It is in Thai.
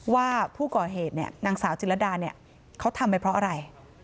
ว่าผู้ก่อเหตุนางสาวจิรดาเขาทำไปเพราะอะไร